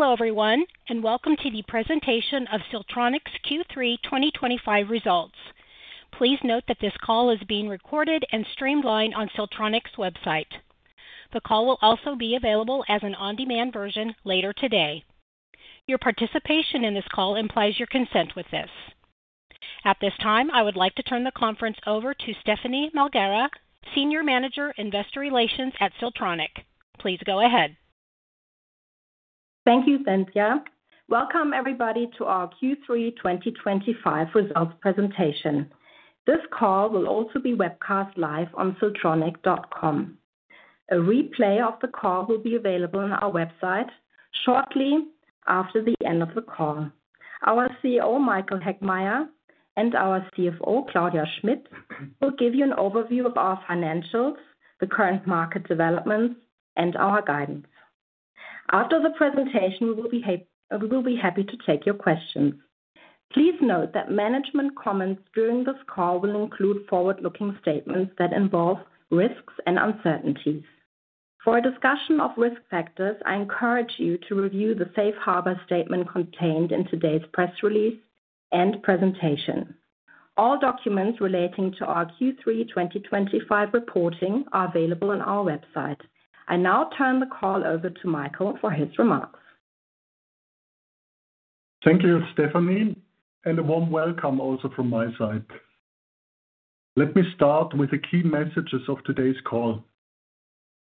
Hello, everyone, and welcome to the presentation of Siltronic's Q3 2025 results. Please note that this call is being recorded and streamed on Siltronic's website. The call will also be available as an on-demand version later today. Your participation in this call implies your consent with this. At this time, I would like to turn the conference over to Stephanie Malgara, Senior Manager, Investor Relations at Siltronic. Please go ahead. Thank you, Cynthia. Welcome, everybody, to our Q3 2025 results presentation. This call will also be webcast live on siltronic.com. A replay of the call will be available on our website shortly after the end of the call. Our CEO, Michael Heckmeier, and our CFO, Claudia Schmitt, will give you an overview of our financials, the current market developments, and our guidance. After the presentation, we will be happy to take your questions. Please note that management comments during this call will include forward-looking statements that involve risks and uncertainties. For a discussion of risk factors, I encourage you to review the safe harbor statement contained in today's press release and presentation. All documents relating to our Q3 2025 reporting are available on our website. I now turn the call over to Michael for his remarks. Thank you, Stephanie, and a warm welcome also from my side. Let me start with the key messages of today's call.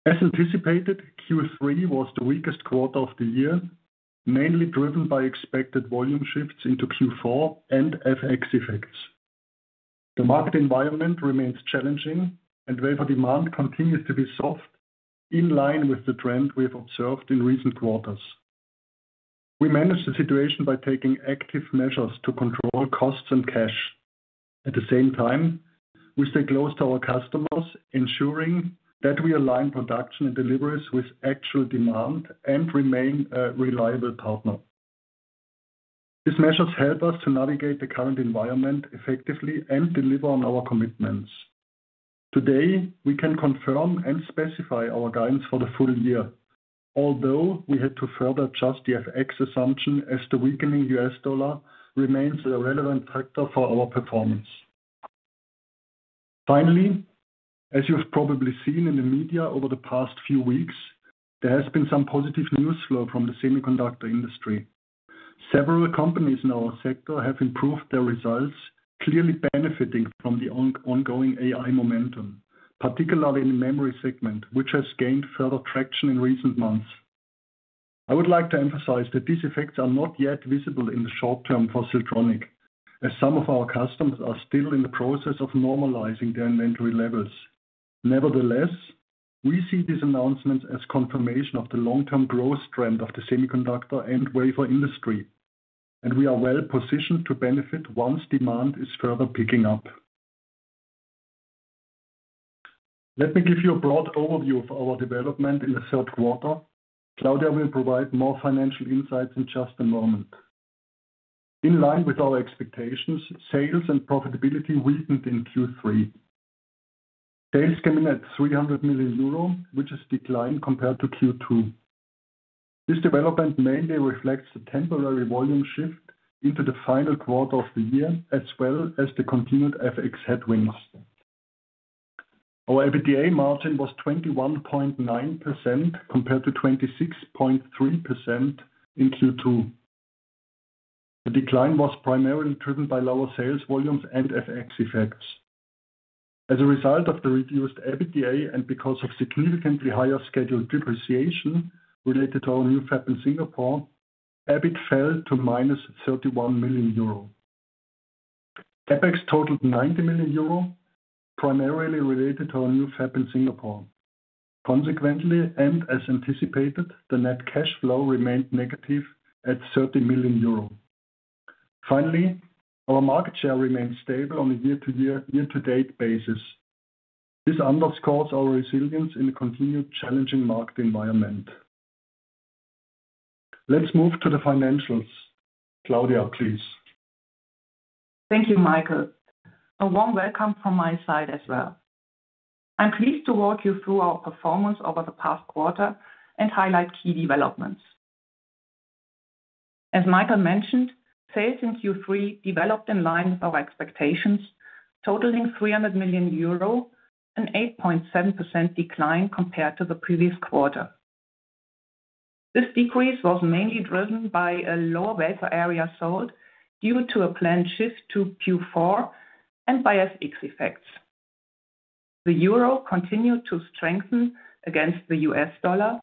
As anticipated, Q3 was the weakest quarter of the year, mainly driven by expected volume shifts into Q4 and FX effects. The market environment remains challenging, and therefore, demand continues to be soft, in line with the trend we've observed in recent quarters. We managed the situation by taking active measures to control costs and cash. At the same time, we stay close to our customers, ensuring that we align production and deliveries with actual demand and remain a reliable partner. These measures help us to navigate the current environment effectively and deliver on our commitments. Today, we can confirm and specify our guidance for the full year, although we had to further adjust the FX assumption as the weakening U.S. dollar remains a relevant factor for our performance. Finally, as you've probably seen in the media over the past few weeks, there has been some positive news flow from the semiconductor industry. Several companies in our sector have improved their results, clearly benefiting from the ongoing AI momentum, particularly in the memory segment, which has gained further traction in recent months. I would like to emphasize that these effects are not yet visible in the short term for Siltronic, as some of our customers are still in the process of normalizing their inventory levels. Nevertheless, we see these announcements as confirmation of the long-term growth trend of the semiconductor and wafer industry, and we are well positioned to benefit once demand is further picking up. Let me give you a broad overview of our development in the third quarter. Claudia will provide more financial insights in just a moment. In line with our expectations, sales and profitability weakened in Q3. Sales came in at 300 million euro, which is a decline compared to Q2. This development mainly reflects the temporary volume shift into the final quarter of the year, as well as the continued FX headwinds. Our EBITDA margin was 21.9% compared to 26.3% in Q2. The decline was primarily driven by lower sales volumes and FX effects. As a result of the reduced EBITDA and because of significantly higher scheduled depreciation related to our new fab in Singapore, EBIT fell to -31 million euro. CapEx totaled 90 million euro, primarily related to our new fab in Singapore. Consequently, and as anticipated, the net cash flow remained negative at 30 million euro. Finally, our market share remains stable on a year-to-date basis. This underscores our resilience in a continued challenging market environment. Let's move to the financials. Claudia, please. Thank you, Michael. A warm welcome from my side as well. I'm pleased to walk you through our performance over the past quarter and highlight key developments. As Michael mentioned, sales in Q3 developed in line with our expectations, totaling 300 million euro, an 8.7% decline compared to the previous quarter. This decrease was mainly driven by a lower wafer area sold due to a planned shift to Q4 and by FX effects. The euro continued to strengthen against the U.S. dollar,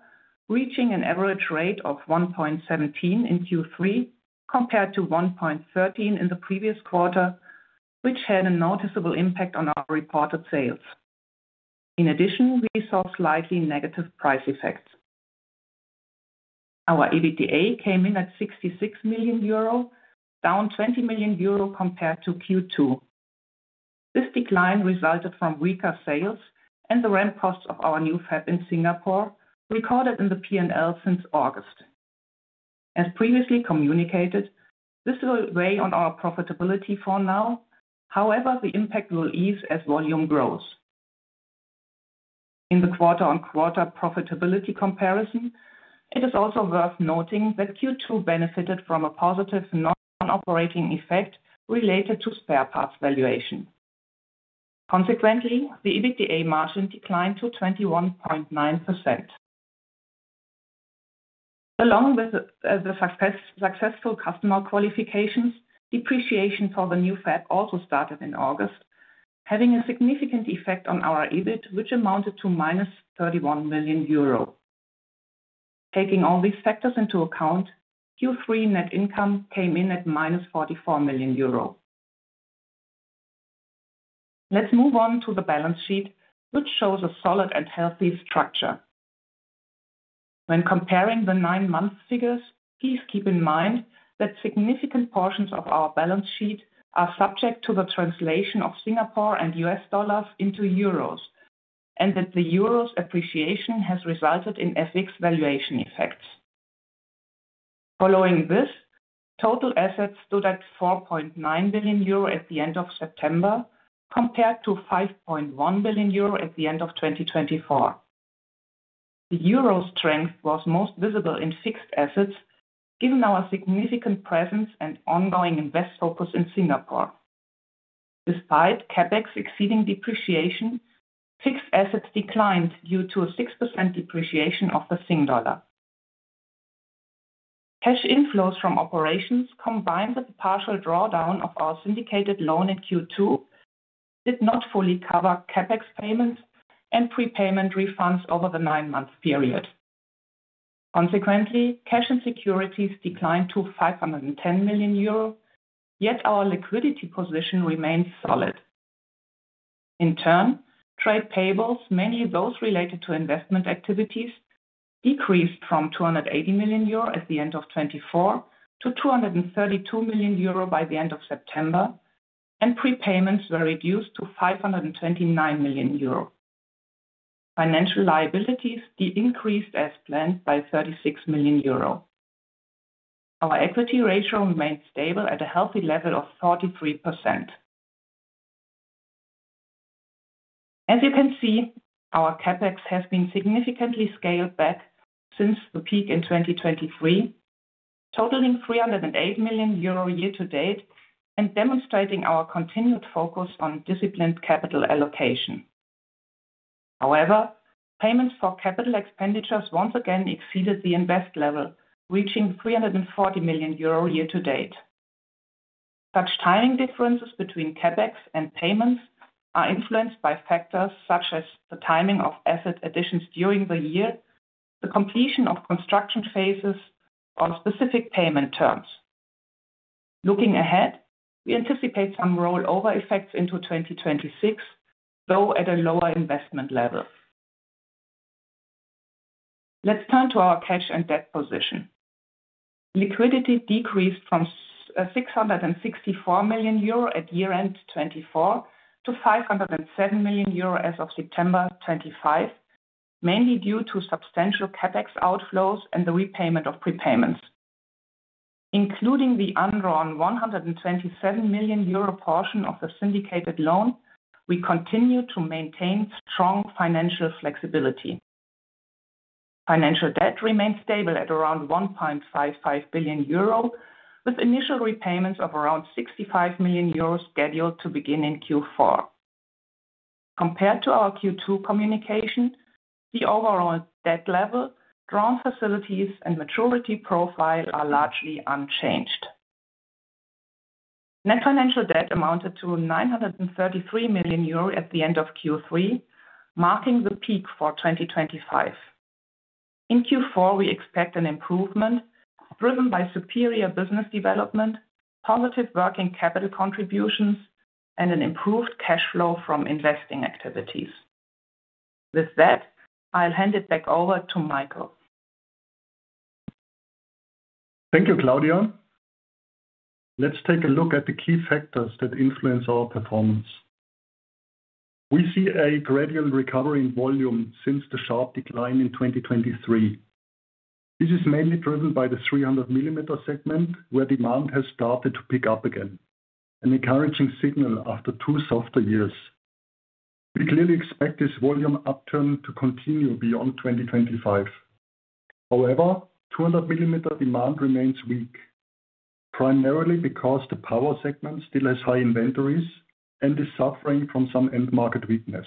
reaching an average rate of 1.17 in Q3 compared to 1.13 in the previous quarter, which had a noticeable impact on our reported sales. In addition, we saw slightly negative price effects. Our EBITDA came in at 66 million euro, down 20 million euro compared to Q2. This decline resulted from weaker sales and the ramp-up cost of our new fab in Singapore, recorded in the P&L since August. As previously communicated, this will weigh on our profitability for now; however, the impact will ease as volume grows. In the quarter-on-quarter profitability comparison, it is also worth noting that Q2 benefited from a positive non-operating effect related to spare parts valuation. Consequently, the EBITDA margin declined to 21.9%. Along with the successful customer qualifications, depreciation for the new fab also started in August, having a significant effect on our EBIT, which amounted to -31 million euro. Taking all these factors into account, Q3 net income came in at -44 million euro. Let's move on to the balance sheet, which shows a solid and healthy structure. When comparing the nine-month figures, please keep in mind that significant portions of our balance sheet are subject to the translation of Singapore and U.S. dollars into euros, and that the euro's appreciation has resulted in FX valuation effects. Following this, total assets stood at 4.9 billion euro at the end of September, compared to 5.1 billion euro at the end of 2024. The euro's strength was most visible in fixed assets, given our significant presence and ongoing invest focus in Singapore. Despite CapEx exceeding depreciation, fixed assets declined due to a 6% depreciation of the Singapore dollar. Cash inflows from operations, combined with the partial drawdown of our syndicated loan in Q2, did not fully cover CapEx payments and prepayment refunds over the nine-month period. Consequently, cash and securities declined to 510 million euro, yet our liquidity position remains solid. In turn, trade payables, mainly those related to investment activities, decreased from 280 million euro at the end of 2024 to 232 million euro by the end of September, and prepayments were reduced to 529 million euro. Financial liabilities increased as planned by 36 million euro. Our equity ratio remains stable at a healthy level of 43%. As you can see, our CapEx has been significantly scaled back since the peak in 2023, totaling 308 million euro year to date, and demonstrating our continued focus on disciplined capital allocation. However, payments for capital expenditures once again exceeded the invest level, reaching 340 million euro year to date. Such timing differences between CapEx and payments are influenced by factors such as the timing of asset additions during the year, the completion of construction phases, or specific payment terms. Looking ahead, we anticipate some rollover effects into 2026, though at a lower investment level. Let's turn to our cash and debt position. Liquidity decreased from 664 million euro at year-end 2024 to 507 million euro as of September 2025, mainly due to substantial CapEx outflows and the repayment of prepayments. Including the undrawn 127 million euro portion of the syndicated loan, we continue to maintain strong financial flexibility. Financial debt remains stable at around 1.55 billion euro, with initial repayments of around 65 million euros scheduled to begin in Q4. Compared to our Q2 communication, the overall debt level, drawn facilities, and maturity profile are largely unchanged. Net financial debt amounted to 933 million euro at the end of Q3, marking the peak for 2025. In Q4, we expect an improvement driven by superior business development, positive working capital contributions, and an improved cash flow from investing activities. With that, I'll hand it back over to Michael. Thank you, Claudia. Let's take a look at the key factors that influence our performance. We see a gradual recovery in volume since the sharp decline in 2023. This is mainly driven by the 300-millimeter segment, where demand has started to pick up again, an encouraging signal after two softer years. We clearly expect this volume upturn to continue beyond 2025. However, 200-millimeter demand remains weak, primarily because the power segment still has high inventories and is suffering from some end-market weakness.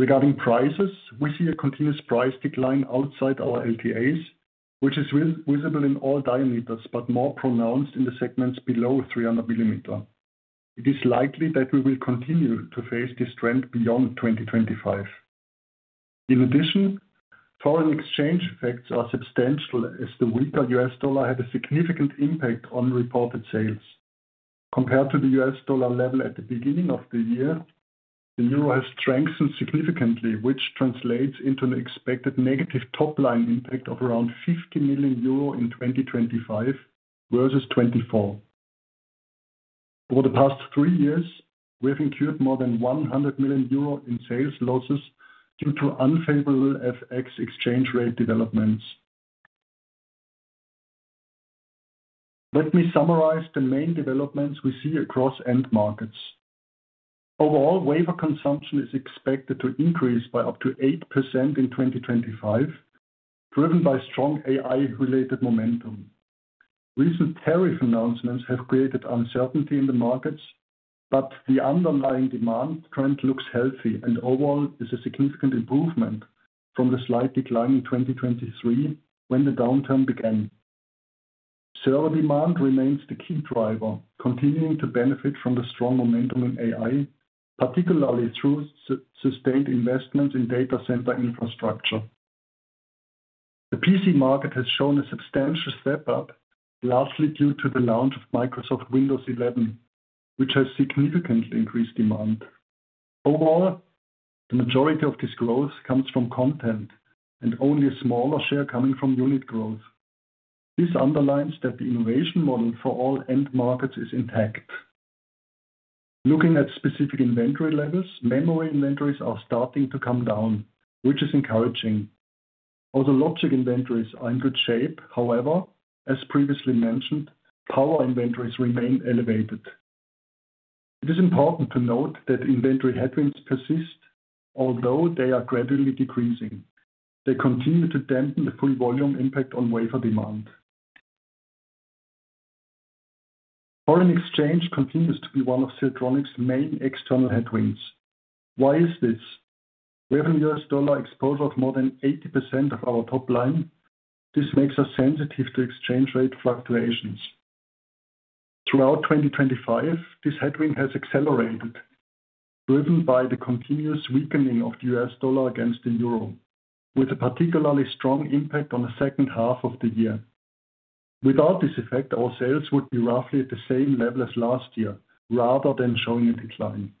Regarding prices, we see a continuous price decline outside our LTAs, which is visible in all diameters, but more pronounced in the segments below 300 millimeter. It is likely that we will continue to face this trend beyond 2025. In addition, foreign exchange effects are substantial, as the weaker U.S. dollar had a significant impact on reported sales. Compared to the U.S. dollar level at the beginning of the year, the euro has strengthened significantly, which translates into an expected negative top-line impact of around 50 million euro in 2025 versus 2024. Over the past three years, we have incurred more than 100 million euro in sales losses due to unfavorable FX exchange rate developments. Let me summarize the main developments we see across end markets. Overall, wafer consumption is expected to increase by up to 8% in 2025, driven by strong AI-related momentum. Recent tariff announcements have created uncertainty in the markets, but the underlying demand trend looks healthy, and overall, it's a significant improvement from the slight decline in 2023 when the downturn began. Server demand remains the key driver, continuing to benefit from the strong momentum in AI, particularly through sustained investments in data center infrastructure. The PC market has shown a substantial step up, largely due to the launch of Microsoft Windows 11, which has significantly increased demand. Overall, the majority of this growth comes from content and only a smaller share coming from unit growth. This underlines that the innovation model for all end markets is intact. Looking at specific inventory levels, memory inventories are starting to come down, which is encouraging. Other logic inventories are in good shape; however, as previously mentioned, power inventories remain elevated. It is important to note that inventory headwinds persist, although they are gradually decreasing. They continue to dampen the full volume impact on wafer demand. Foreign exchange continues to be one of Siltronic's main external headwinds. Why is this? We have a U.S. dollar exposure of more than 80% of our top line. This makes us sensitive to exchange rate fluctuations. Throughout 2025, this headwind has accelerated, driven by the continuous weakening of the U.S. dollar against the euro, with a particularly strong impact on the second half of the year. Without this effect, our sales would be roughly at the same level as last year, rather than showing a decline.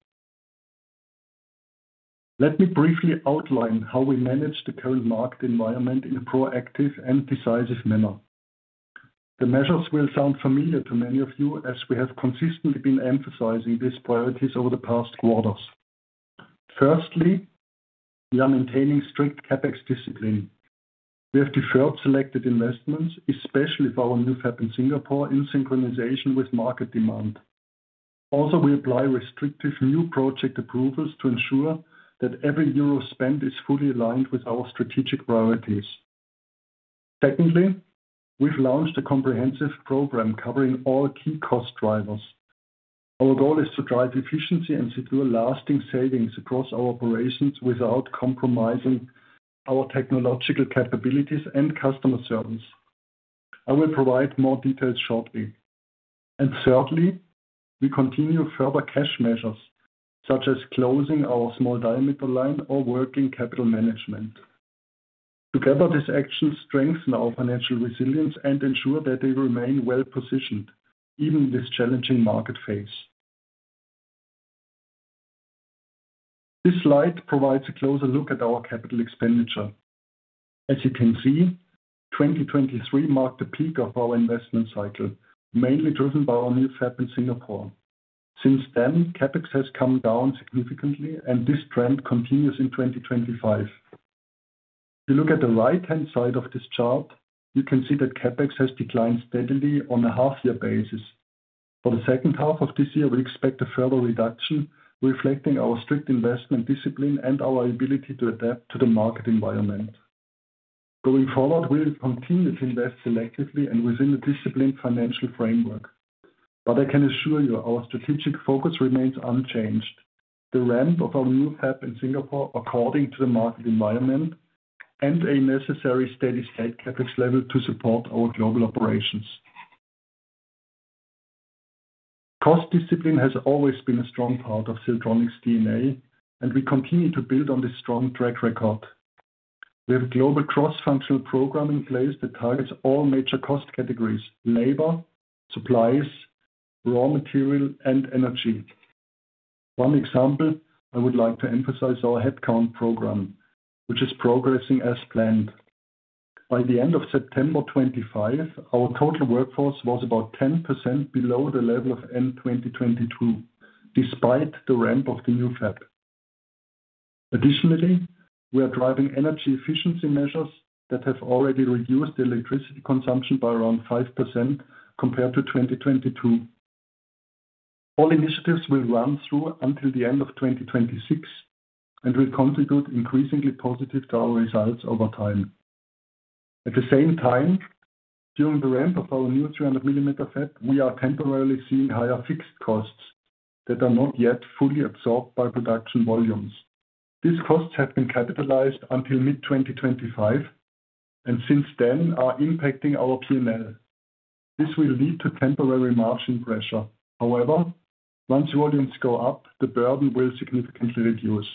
Let me briefly outline how we manage the current market environment in a proactive and decisive manner. The measures will sound familiar to many of you, as we have consistently been emphasizing these priorities over the past quarters. Firstly, we are maintaining strict CapEx discipline. We have deferred selected investments, especially for our new fab in Singapore, in synchronization with market demand. Also, we apply restrictive new project approvals to ensure that every euro spent is fully aligned with our strategic priorities. Secondly, we've launched a comprehensive program covering all key cost drivers. Our goal is to drive efficiency and secure lasting savings across our operations without compromising our technological capabilities and customer service. I will provide more details shortly. Thirdly, we continue further cash measures, such as closing our small diameter line or working capital management. Together, these actions strengthen our financial resilience and ensure that we remain well-positioned, even in this challenging market phase. This slide provides a closer look at our capital expenditure. As you can see, 2023 marked the peak of our investment cycle, mainly driven by our new fab in Singapore. Since then, CapEx has come down significantly, and this trend continues in 2025. If you look at the right-hand side of this chart, you can see that CapEx has declined steadily on a half-year basis. For the second half of this year, we expect a further reduction, reflecting our strict investment discipline and our ability to adapt to the market environment. Going forward, we'll continue to invest selectively and within the disciplined financial framework. I can assure you, our strategic focus remains unchanged: the ramp of our new fab in Singapore according to the market environment and a necessary steady-state CapEx level to support our global operations. Cost discipline has always been a strong part of Siltronic's DNA, and we continue to build on this strong track record. We have a global cross-functional program in place that targets all major cost categories: labor, supplies, raw material, and energy. One example I would like to emphasize is our headcount program, which is progressing as planned. By the end of September 2025, our total workforce was about 10% below the level of end 2022, despite the ramp of the new fab. Additionally, we are driving energy efficiency measures that have already reduced the electricity consumption by around 5% compared to 2022. All initiatives will run through until the end of 2026 and will contribute increasingly positively to our results over time. At the same time, during the ramp of our new 300-millimeter fab, we are temporarily seeing higher fixed costs that are not yet fully absorbed by production volumes. These costs have been capitalized until mid-2025 and since then are impacting our P&L. This will lead to temporary margin pressure. However, once volumes go up, the burden will significantly reduce.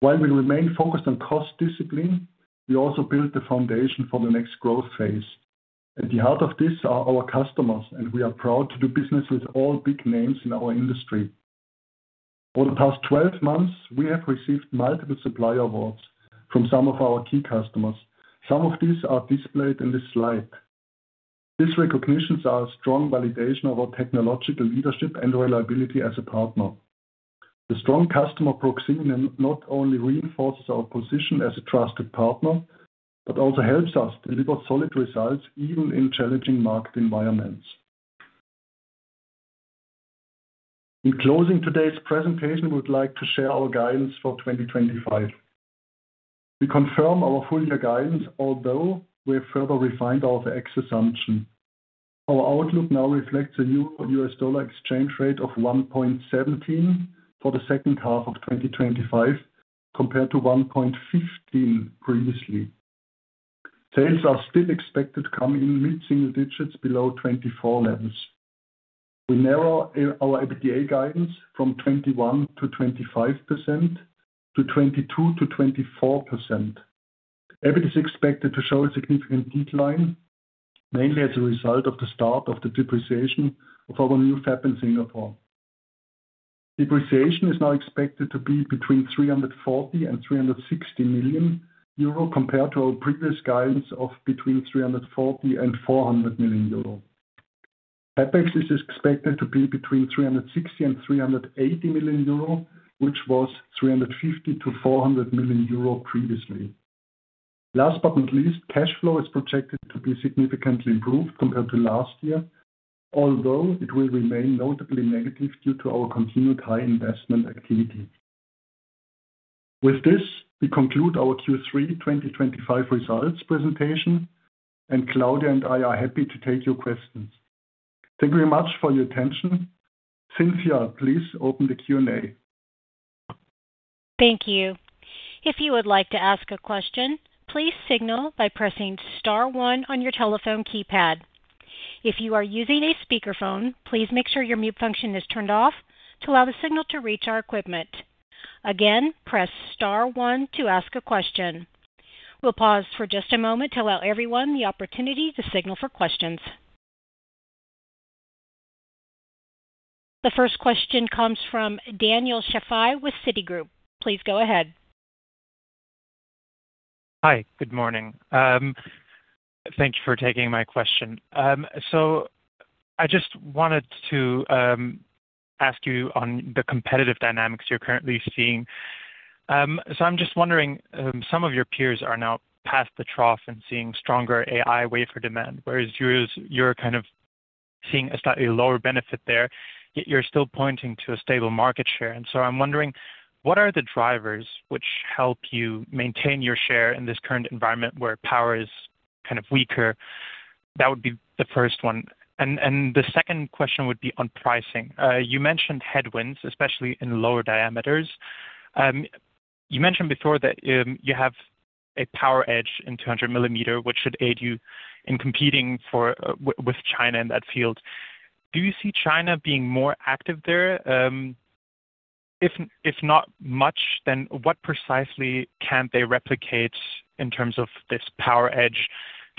While we remain focused on cost discipline, we also build the foundation for the next growth phase. At the heart of this are our customers, and we are proud to do business with all big names in our industry. For the past 12 months, we have received multiple supplier awards from some of our key customers. Some of these are displayed in this slide. These recognitions are a strong validation of our technological leadership and reliability as a partner. The strong customer proximity not only reinforces our position as a trusted partner, but also helps us deliver solid results even in challenging market environments. In closing today's presentation, we would like to share our guidance for 2025. We confirm our full-year guidance, although we have further refined our FX assumption. Our outlook now reflects a new U.S. dollar exchange rate of 1.17 for the second half of 2025, compared to 1.15 previously. Sales are still expected to come in mid-single digits below 2024 levels. We narrow our EBITDA guidance from 21%-25% to 22%-24%. EBITDA is expected to show a significant decline, mainly as a result of the start of the depreciation of our new fab in Singapore. Depreciation is now expected to be between 340 million and 360 million euro, compared to our previous guidance of between 340 million and 400 million euro. CapEx is expected to be between 360 million and 380 million euro, which was 350 million-400 million euro previously. Last but not least, cash flow is projected to be significantly improved compared to last year, although it will remain notably negative due to our continued high investment activity. With this, we conclude our Q3 2025 results presentation, and Claudia and I are happy to take your questions. Thank you very much for your attention. Cynthia, please open the Q&A. Thank you. If you would like to ask a question, please signal by pressing star one on your telephone keypad. If you are using a speakerphone, please make sure your mute function is turned off to allow the signal to reach our equipment. Again, press star one to ask a question. We'll pause for just a moment to allow everyone the opportunity to signal for questions. The first question comes from Daniel Schafei with Citigroup. Please go ahead. Hi. Good morning. Thank you for taking my question. I just wanted to ask you on the competitive dynamics you're currently seeing. I'm just wondering, some of your peers are now past the trough and seeing stronger AI-driven demand for wafers, whereas you're kind of seeing a slightly lower benefit there, yet you're still pointing to a stable market share. I'm wondering, what are the drivers which help you maintain your share in this current environment where power is kind of weaker? That would be the first one. The second question would be on pricing. You mentioned headwinds, especially in lower diameters. You mentioned before that you have a power edge in 200-millimeter, which should aid you in competing with China in that field. Do you see China being more active there? If not much, then what precisely can they replicate in terms of this power edge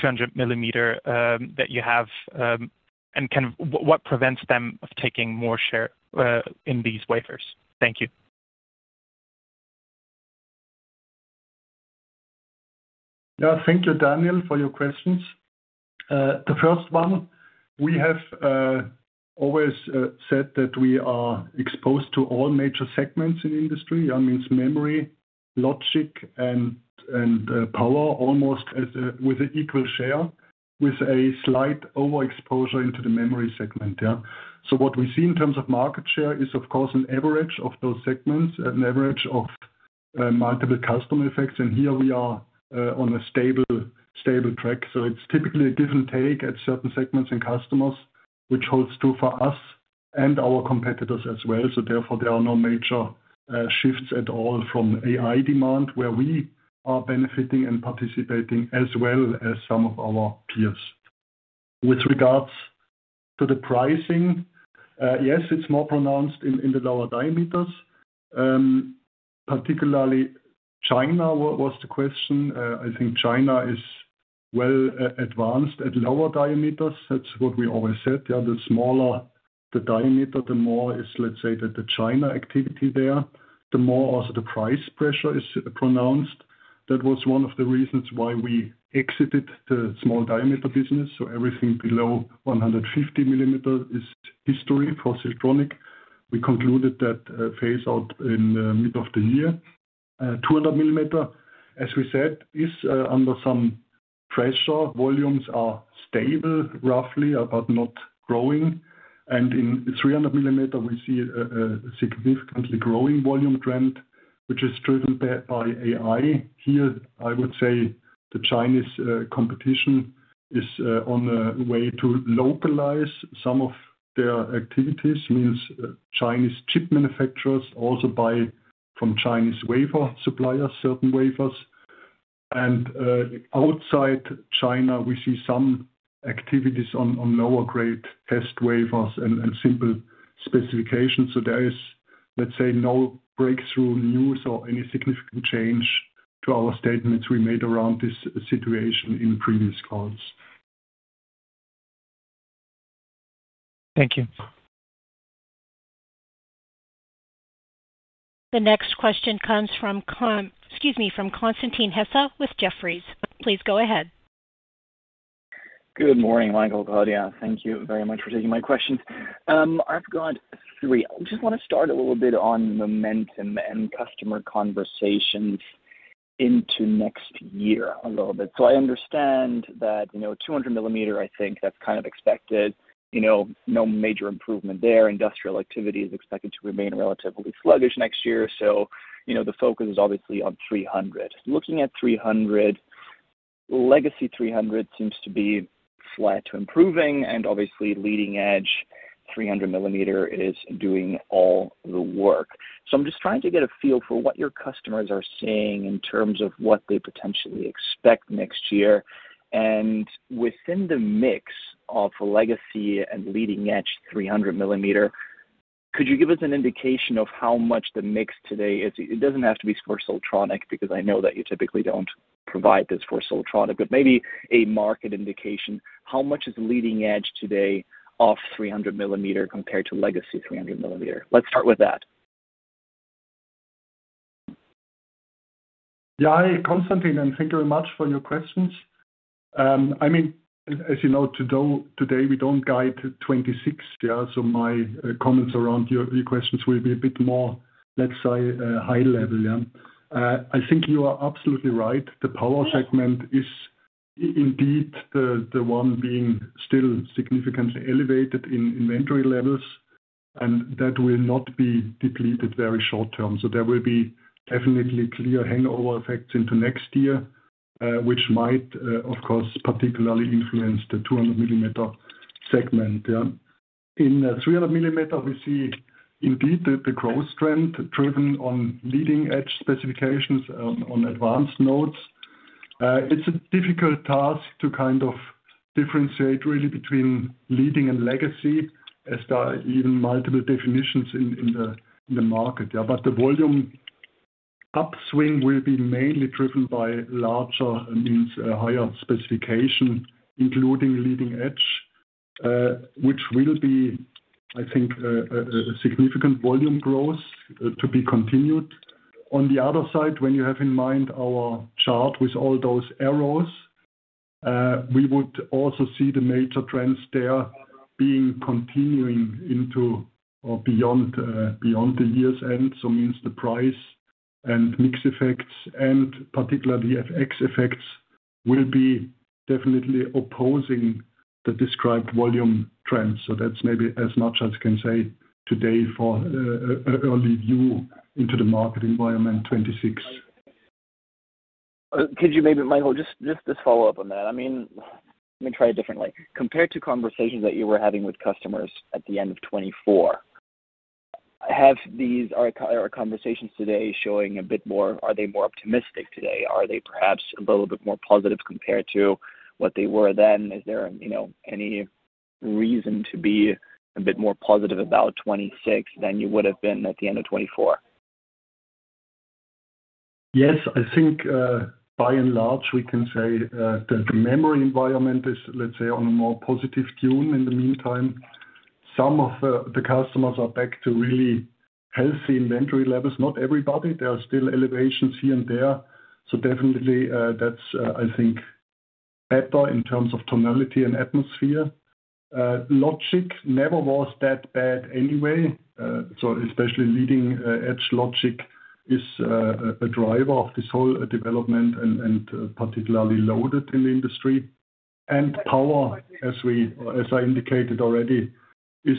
in 200-millimeter that you have? What prevents them from taking more share in these wafers? Thank you. Thank you, Daniel, for your questions. The first one, we have always said that we are exposed to all major segments in the industry. That means memory, logic, and power, almost with an equal share, with a slight overexposure into the memory segment. What we see in terms of market share is, of course, an average of those segments, an average of multiple customer effects. Here we are on a stable track. It's typically a give and take at certain segments and customers, which holds true for us and our competitors as well. Therefore, there are no major shifts at all from AI-driven demand, where we are benefiting and participating as well as some of our peers. With regards to the pricing, yes, it's more pronounced in the lower diameters. Particularly, China was the question. I think China is well advanced at lower diameters. That's what we always said. The smaller the diameter, the more, let's say, that the China activity there, the more also the pricing pressure is pronounced. That was one of the reasons why we exited the small diameter business. Everything below 150 millimeter is history for Siltronic. We concluded that phase out in the middle of the year. 200 millimeter, as we said, is under some pressure. Volumes are stable, roughly, but not growing. In 300 millimeter, we see a significantly growing volume trend, which is driven by AI-driven demand. Here, I would say the Chinese competition is on the way to localize some of their activities. It means Chinese chip manufacturers also buy from Chinese suppliers, certain wafers. Outside China, we see some activities on lower-grade test wafers and simple specifications. There is, let's say, no breakthrough news or any significant change to our statements we made around this situation in previous calls. Thank you. The next question comes from Constantin Hesse with Jefferies. Please go ahead. Good morning, Michael, Claudia. Thank you very much for taking my questions. I've got three. I just want to start a little bit on momentum and customer conversations into next year a little bit. I understand that, you know, 200-millimeter, I think that's kind of expected. No major improvement there. Industrial activity is expected to remain relatively sluggish next year. The focus is obviously on 300. Looking at 300, legacy 300 seems to be flat to improving, and obviously, leading-edge 300-millimeter is doing all the work. I'm just trying to get a feel for what your customers are saying in terms of what they potentially expect next year. Within the mix of legacy and leading-edge 300-millimeter, could you give us an indication of how much the mix today is? It doesn't have to be for Siltronic because I know that you typically don't provide this for Siltronic, but maybe a market indication. How much is leading edge today of 300-millimeter compared to legacy 300-millimeter? Let's start with that. Yeah. Hi, Constantin, and thank you very much for your questions. As you know, today we don't guide 2026. My comments around your questions will be a bit more, let's say, high-level. I think you are absolutely right. The power segment is indeed the one being still significantly elevated in inventory levels, and that will not be depleted very short term. There will be definitely clear hangover effects into next year, which might, of course, particularly influence the 200-millimeter segment. In 300-millimeter, we see indeed the growth trend driven on leading-edge specifications on advanced nodes. It's a difficult task to kind of differentiate really between leading and legacy, as there are even multiple definitions in the market. The volume upswing will be mainly driven by larger, means higher specification, including leading edge, which will be, I think, a significant volume growth to be continued. On the other side, when you have in mind our chart with all those arrows, we would also see the major trends there being continuing into or beyond the year's end. It means the price and mix effects and particularly FX effects will be definitely opposing the described volume trends. That's maybe as much as I can say today for an early view into the market environment 2026. Could you maybe, Michael, just this follow-up on that? I mean, let me try it differently. Compared to conversations that you were having with customers at the end of 2024, are our conversations today showing a bit more? Are they more optimistic today? Are they perhaps a little bit more positive compared to what they were then? Is there any reason to be a bit more positive about 2026 than you would have been at the end of 2024? Yes. I think, by and large, we can say that the memory environment is, let's say, on a more positive tune. In the meantime, some of the customers are back to really healthy inventory levels. Not everybody. There are still elevations here and there. That's, I think, better in terms of tonality and atmosphere. Logic never was that bad anyway. Especially leading-edge logic is a driver of this whole development and particularly loaded in the industry. Power, as I indicated already, is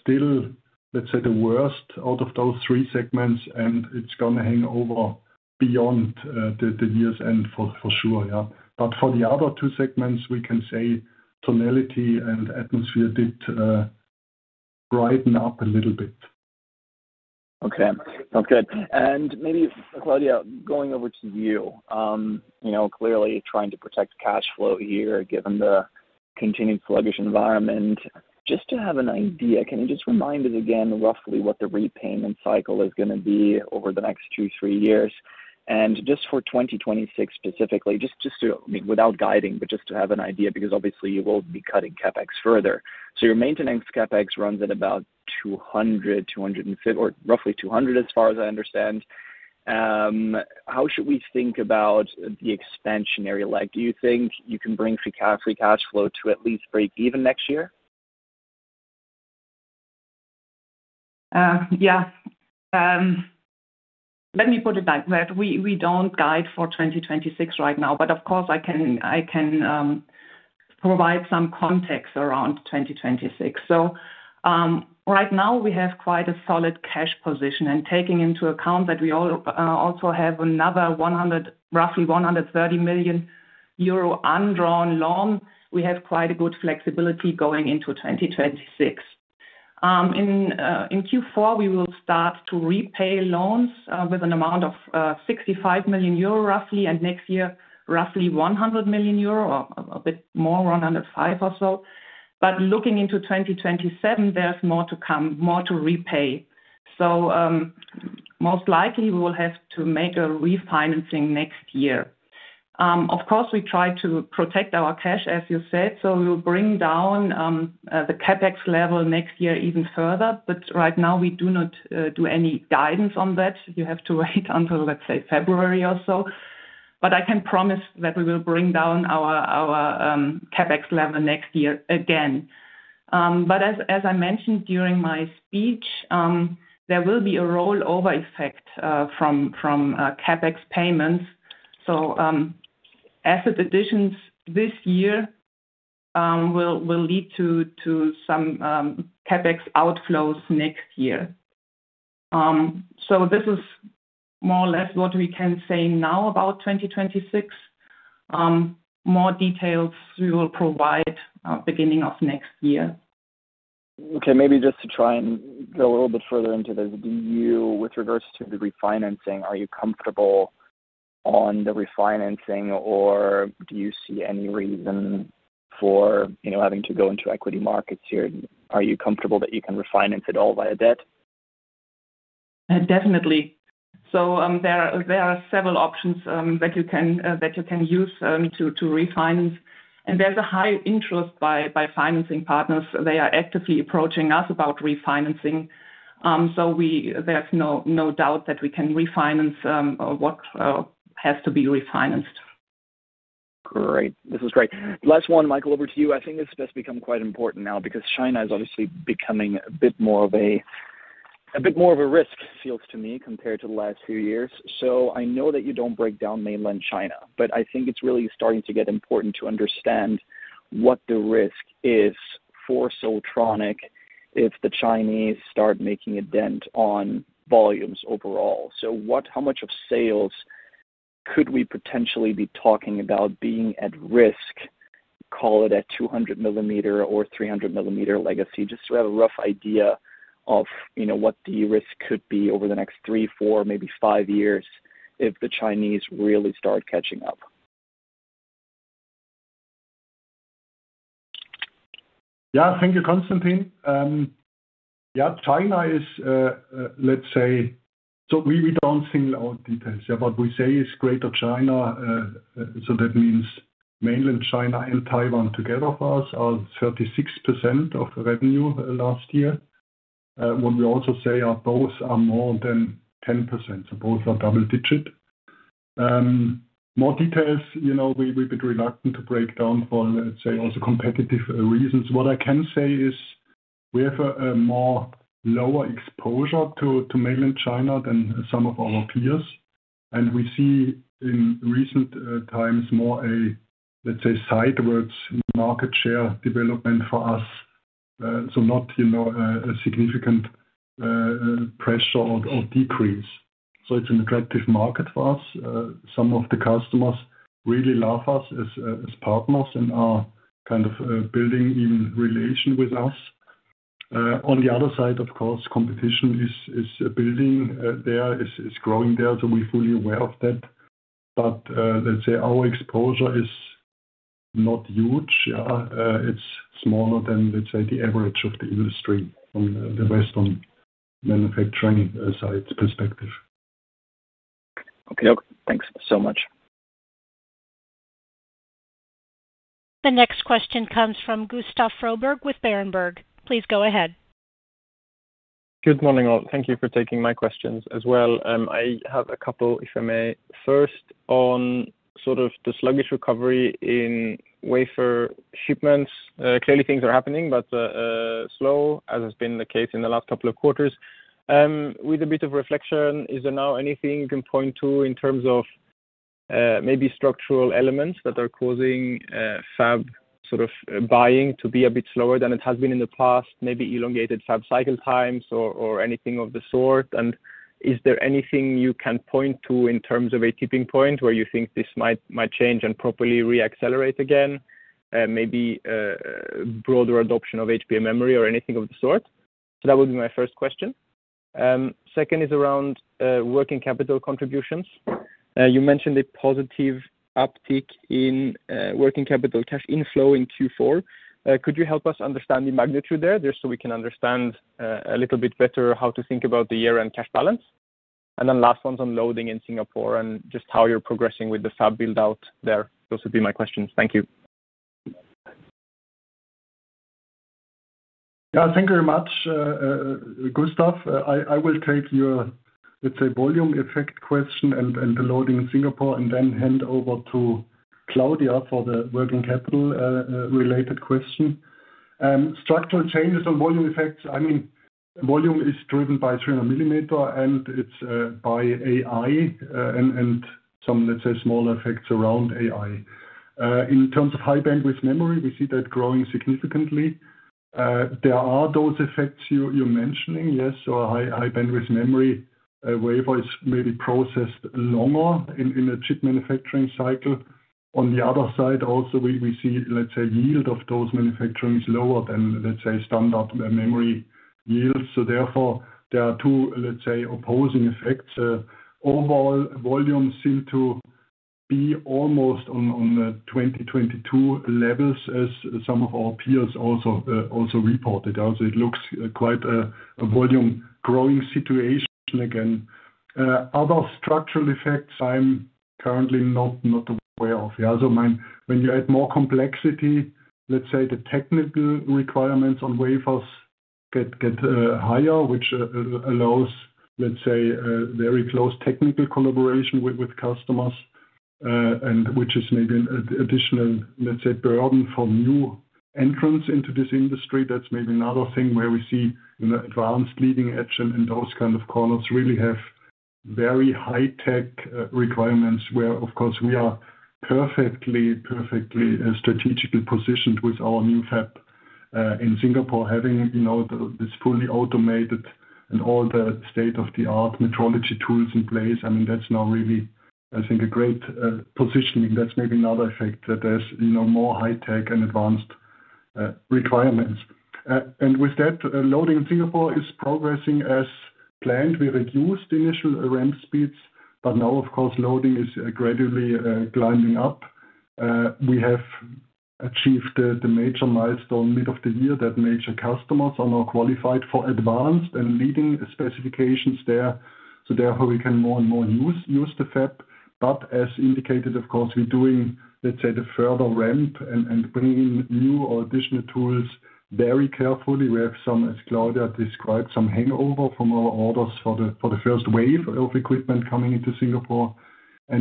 still, let's say, the worst out of those three segments, and it's going to hang over beyond the year's end for sure. For the other two segments, we can say tonality and atmosphere did brighten up a little bit. Okay. Sounds good. Claudia, going over to you, clearly trying to protect cash flow here given the continued sluggish environment. Just to have an idea, can you remind us again roughly what the repayment cycle is going to be over the next two or three years? For 2026 specifically, just to have an idea because obviously you won't be cutting CapEx further. Your maintenance CapEx runs at about 200 million, 250 million, or roughly 200 million, as far as I understand. How should we think about the expansionary leg? Do you think you can bring free cash flow to at least break even next year? Let me put it like that. We don't guide for 2026 right now. Of course, I can provide some context around 2026. Right now, we have quite a solid cash position. Taking into account that we also have another roughly 130 million euro undrawn loan, we have quite a good flexibility going into 2026. In Q4, we will start to repay loans with an amount of 65 million euro roughly, and next year, roughly 100 million euro or a bit more, 105 million or so. Looking into 2027, there's more to come, more to repay. Most likely, we will have to make a refinancing next year. Of course, we try to protect our cash, as you said. We will bring down the CapEx level next year even further. Right now, we do not do any guidance on that. You have to wait until, let's say, February or so. I can promise that we will bring down our CapEx level next year again. As I mentioned during my speech, there will be a rollover effect from CapEx payments. Asset additions this year will lead to some CapEx outflows next year. This is more or less what we can say now about 2026. More details we will provide beginning of next year. Okay. Maybe just to try and go a little bit further into this, with regards to the refinancing, are you comfortable on the refinancing, or do you see any reason for having to go into equity markets here? Are you comfortable that you can refinance it all via debt? Definitely. There are several options that you can use to refinance. There's a high interest by financing partners. They are actively approaching us about refinancing. There's no doubt that we can refinance what has to be refinanced. Great. This is great. Last one, Michael, over to you. I think it's become quite important now because China is obviously becoming a bit more of a risk, it feels to me, compared to the last few years. I know that you don't break down mainland China, but I think it's really starting to get important to understand what the risk is for Siltronic if the Chinese start making a dent on volumes overall. How much of sales could we potentially be talking about being at risk, call it at 200-millimeter or 300-millimeter legacy? Just to have a rough idea of what the risk could be over the next three, four, maybe five years if the Chinese really start catching up. Thank you, Constantin. China is, let's say, we don't single out details. We say it's Greater China, so that means mainland China and Taiwan together for us are 36% of the revenue last year. What we also say is both are more than 10%, so both are double-digit. More details, you know, we're a bit reluctant to break down for, let's say, also competitive reasons. What I can say is we have a lower exposure to mainland China than some of our peers. We see in recent times more a, let's say, sidewards market share development for us, not a significant pressure or decrease. It's an attractive market for us. Some of the customers really love us as partners and are kind of building even relations with us. On the other side, of course, competition is building, there is growing there. We're fully aware of that. Let's say our exposure is not huge. It's smaller than, let's say, the average of the industry from the western manufacturing side's perspective. Okay. Okay. Thanks so much. The next question comes from Gustav Froberg with Berenberg. Please go ahead. Good morning all. Thank you for taking my questions as well. I have a couple, if I may. First, on sort of the sluggish recovery in wafer shipments. Clearly, things are happening, but slow, as has been the case in the last couple of quarters. With a bit of reflection, is there now anything you can point to in terms of maybe structural elements that are causing fab sort of buying to be a bit slower than it has been in the past, maybe elongated fab cycle times or anything of the sort? Is there anything you can point to in terms of a tipping point where you think this might change and properly reaccelerate again? Maybe a broader adoption of HBM memory or anything of the sort? That would be my first question. Second is around working capital contributions. You mentioned a positive uptick in working capital cash inflow in Q4. Could you help us understand the magnitude there, just so we can understand a little bit better how to think about the year-end cash balance? The last one's on loading in Singapore and just how you're progressing with the fab build-out there. Those would be my questions. Thank you. Thank you very much, Gustav. I will take your volume effect question and the loading in Singapore and then hand over to Claudia for the working capital-related question. Structural changes on volume effects, volume is driven by 300-millimeter, and it's by AI and some smaller effects around AI. In terms of high-bandwidth memory, we see that growing significantly. There are those effects you're mentioning, yes. A high-bandwidth memory wafer is maybe processed longer in a chip manufacturing cycle. On the other side, we see yield of those manufacturing is lower than standard memory yields. Therefore, there are two opposing effects. Overall, volumes seem to be almost on the 2022 levels, as some of our peers also reported. It looks quite a volume-growing situation again. Other structural effects I'm currently not aware of. When you add more complexity, the technical requirements on wafers get higher, which allows very close technical collaboration with customers, and which is maybe an additional burden for new entrants into this industry. That's maybe another thing where we see advanced leading edge and those kind of corners really have very high-tech requirements where, of course, we are perfectly, perfectly strategically positioned with our new fab in Singapore, having this fully automated and all the state-of-the-art metrology tools in place. That's now really, I think, a great positioning. That's maybe another effect that there's more high-tech and advanced requirements. With that, loading in Singapore is progressing as planned. We reduced initial ramp speeds, but now loading is gradually climbing up. We have achieved the major milestone mid of the year that major customers are now qualified for advanced and leading specifications there. Therefore, we can more and more use the fab. As indicated, we're doing the further ramp and bringing new or additional tools very carefully. We have some, as Claudia described, some hangover from our orders for the first wave of equipment coming into Singapore.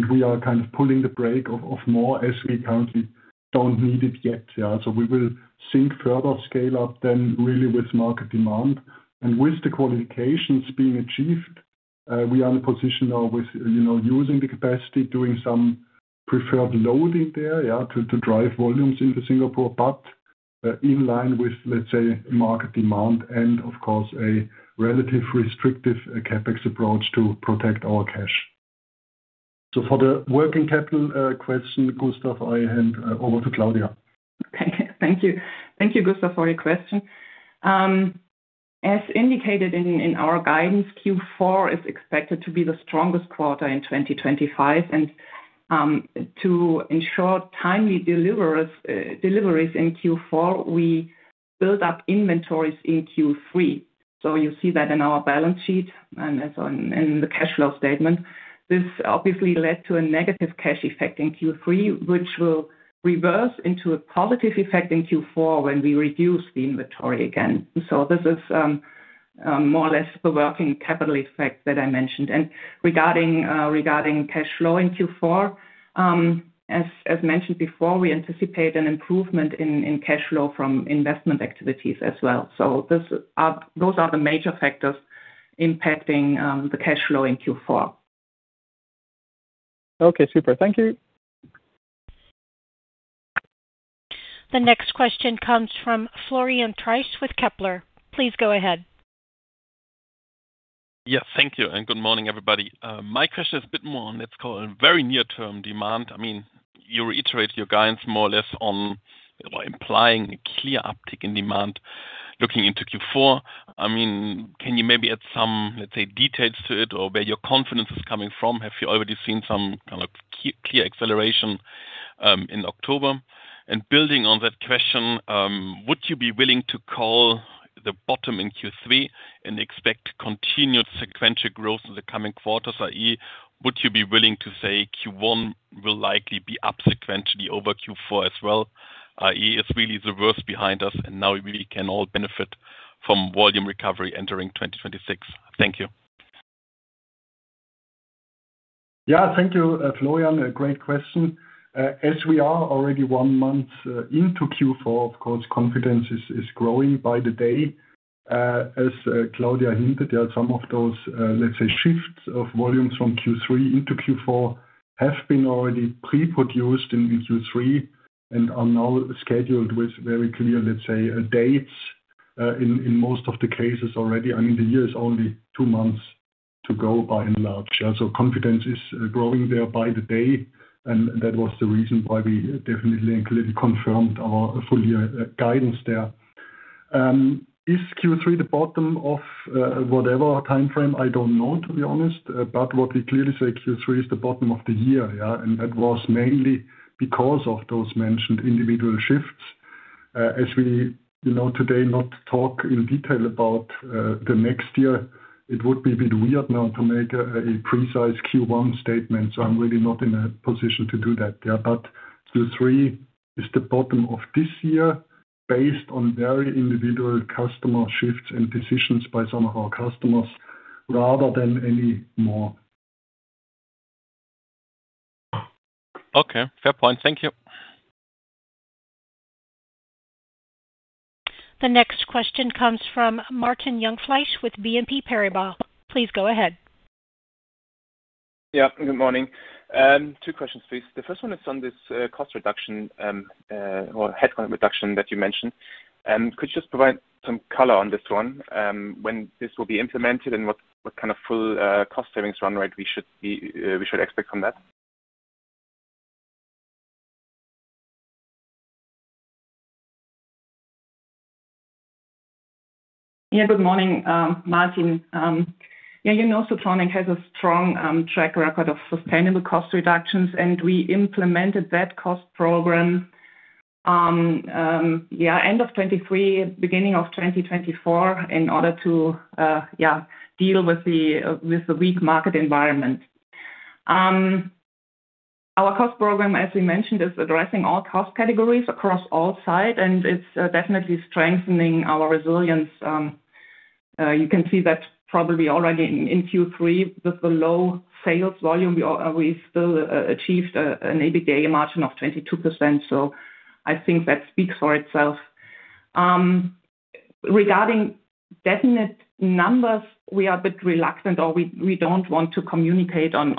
We are kind of pulling the brake off more as we currently don't need it yet. We will think further scale up then really with market demand. With the qualifications being achieved, we are in a position now with using the capacity, doing some preferred loading there to drive volumes into Singapore, but in line with market demand and, of course, a relative restrictive CapEx approach to protect our cash. For the working capital question, Gustav, I hand over to Claudia. Thank you. Thank you, Gustav, for your question. As indicated in our guidance, Q4 is expected to be the strongest quarter in 2025. To ensure timely deliveries in Q4, we build up inventories in Q3. You see that in our balance sheet and also in the cash flow statement. This obviously led to a negative cash effect in Q3, which will reverse into a positive effect in Q4 when we reduce the inventory again. This is more or less the working capital effect that I mentioned. Regarding cash flow in Q4, as mentioned before, we anticipate an improvement in cash flow from investment activities as well. Those are the major factors impacting the cash flow in Q4. Okay. Super. Thank you. The next question comes from Florian Treisch with Kepler. Please go ahead. Thank you. Good morning, everybody. My question is a bit more on, let's call it, very near-term demand. You reiterate your guidance more or less on or implying a clear uptick in demand looking into Q4. Can you maybe add some details to it or where your confidence is coming from? Have you already seen some kind of clear acceleration in October? Building on that question, would you be willing to call the bottom in Q3 and expect continued sequential growth in the coming quarters? I.e., would you be willing to say Q1 will likely be up sequentially over Q4 as well? I.e., it's really the worst behind us and now we can all benefit from volume recovery entering 2026. Thank you. Thank you, Florian. Great question. As we are already one month into Q4, confidence is growing by the day. As Claudia hinted, some of those, let's say, shifts of volumes from Q3 into Q4 have been already pre-produced in Q3 and are now scheduled with very clear, let's say, dates in most of the cases already. The year is only two months to go by and large. Confidence is growing there by the day. That was the reason why we definitely and clearly confirmed our full-year guidance there. Is Q3 the bottom of whatever timeframe? I don't know, to be honest. What we clearly say is Q3 is the bottom of the year. That was mainly because of those mentioned individual shifts. As we, you know, today not talk in detail about the next year, it would be a bit weird now to make a precise Q1 statement. I'm really not in a position to do that. Q3 is the bottom of this year based on very individual customer shifts and decisions by some of our customers rather than any more. Okay. Fair point. Thank you. The next question comes from Martin Jungfleisch with BNP Paribas. Please go ahead. Good morning. Two questions, please. The first one is on this cost-reduction or headcount reduction that you mentioned. Could you just provide some color on this one? When this will be implemented and what kind of full cost-savings run rate we should expect from that? Good morning, Martin. Siltronic has a strong track record of sustainable cost reductions, and we implemented that cost program at the end of 2023, beginning of 2024, in order to deal with the weak market environment. Our cost program, as we mentioned, is addressing all cost categories across all sites, and it's definitely strengthening our resilience. You can see that probably already in Q3 with the low sales volume. We still achieved an EBITDA margin of 22%. I think that speaks for itself. Regarding definite numbers, we are a bit reluctant or we don't want to communicate on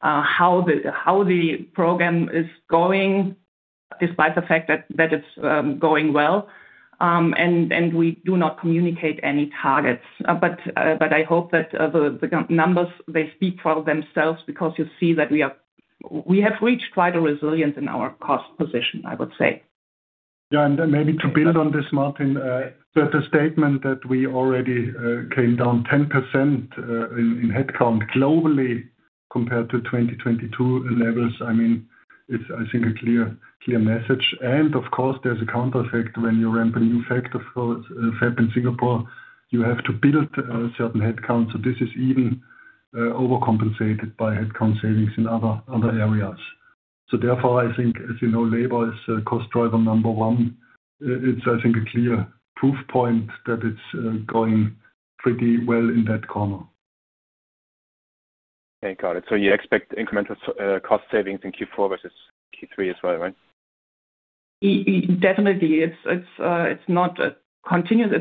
how the program is going despite the fact that it's going well. We do not communicate any targets. I hope that the numbers speak for themselves because you see that we have reached quite a resilience in our cost position, I would say. Yeah. Maybe to build on this, Martin, the statement that we already came down 10% in headcount globally compared to 2022 levels, I mean, it's, I think, a clear message. Of course, there's a countereffect when you ramp a new fab in Singapore. You have to build certain headcounts. This is even overcompensated by headcount savings in other areas. Therefore, I think, as you know, labor is cost driver number one. It's, I think, a clear proof point that it's going pretty well in that corner. Got it. You expect incremental cost savings in Q4 versus Q3 as well, right? Definitely. It's not continuous.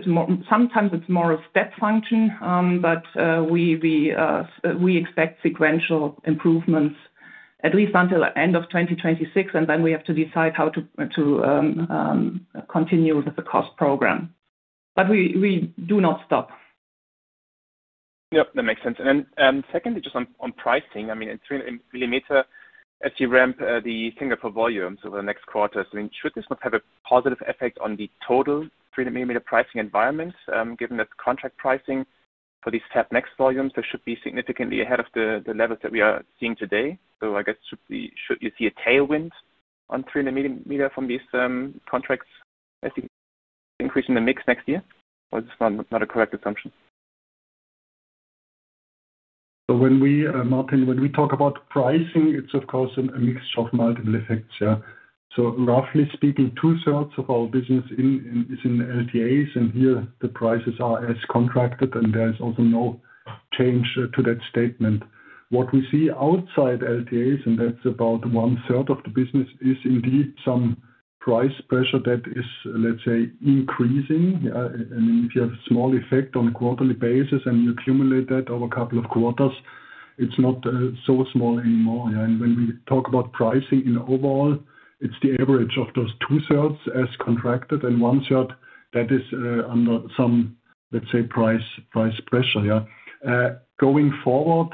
Sometimes it's more of a step function, but we expect sequential improvements at least until the end of 2026. We have to decide how to continue with the cost program. We do not stop. That makes sense. Secondly, just on pricing, I mean, it's 300-millimeter as you ramp the Singapore volumes over the next quarter. Should this not have a positive effect on the total 300-millimeter pricing environment, given that contract pricing for these fab mix volumes should be significantly ahead of the levels that we are seeing today? I guess, should you see a tailwind on 300-millimeter from these contracts as you increase in the mix next year, or is this not a correct assumption? When we, Martin, when we talk about pricing, it's, of course, a mixture of multiple effects. Roughly speaking, two-thirds of our business is in LTAs, and here the prices are as contracted, and there is also no change to that statement. What we see outside LTAs, and that's about 1/3 of the business, is indeed some price pressure that is, let's say, increasing. If you have a small effect on a quarterly basis and you accumulate that over a couple of quarters, it's not so small anymore. When we talk about pricing overall, it's the average of those 2/3 as contracted and 1/3 that is under some, let's say, price pressure. Going forward,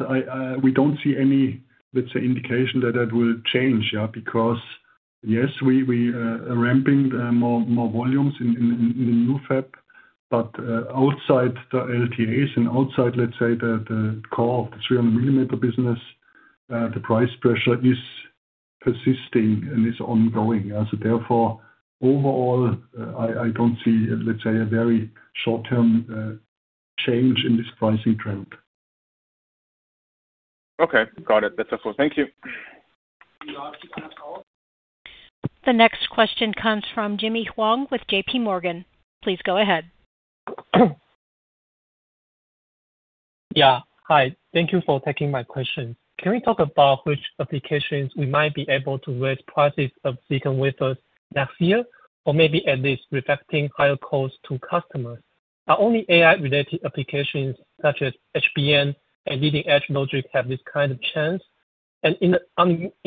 we don't see any, let's say, indication that that will change, because, yes, we are ramping more volumes in the new fab. Outside the LTAs and outside, let's say, the core of the 300-millimeter business, the price pressure is persisting and is ongoing. Therefore, overall, I don't see, let's say, a very short-term change in this pricing trend. Okay. Got it. That's helpful. Thank you. The next question comes from Jimmy Huang with JPMorgan. Please go ahead. Yeah. Hi. Thank you for taking my questions. Can we talk about which applications we might be able to raise prices of silicon wafers next year, or maybe at least reflecting higher costs to customers? Are only AI-related applications such as HBM and leading-edge logic have this kind of chance? In